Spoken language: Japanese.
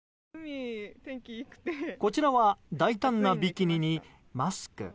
こちらは大胆なビキニにマスク。